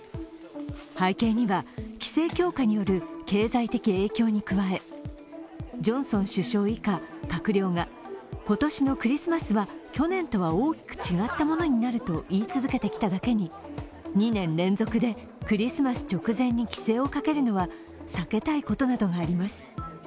背景には、規制強化による経済的影響に加え、ジョンソン首相以下閣僚が今年のクリスマスは去年とは大きく違ったものになると言い続けてきただけに、２年連続でクリスマス直前に規制をかるのは避けたいことなどがあります。